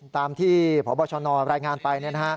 ตามที่พบชนรายงานไป